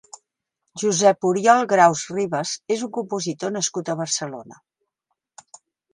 Josep-Oriol Graus Ribas és un compositor nascut a Barcelona.